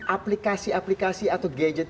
aplikasi aplikasi atau gadget